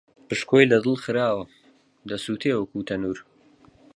پشکۆی لە دڵ خراوە، دەسووتێ وەکوو تەنوور